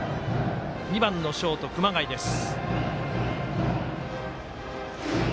２番のショート、熊谷です。